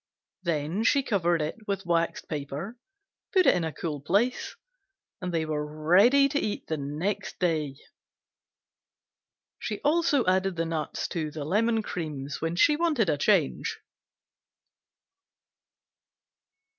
Then she covered with waxed paper, put in a cool place and they were ready the next day to eat. She also added the nuts to the "Lemon Creams" when she wanted a change.